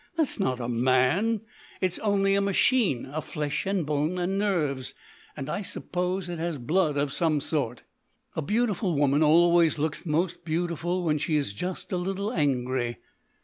That's not a man. It's only a machine of flesh and bone and nerves, and I suppose it has blood of some sort." A beautiful woman always looks most beautiful when she is just a little angry.